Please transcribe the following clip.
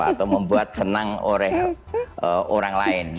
atau membuat senang oleh orang lain